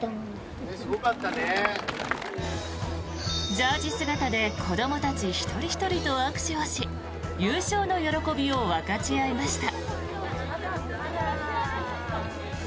ジャージー姿で子どもたち一人ひとりと握手をし優勝の喜びを分かち合いました。